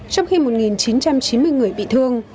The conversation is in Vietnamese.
trong khi một chín trăm chín mươi người bị thương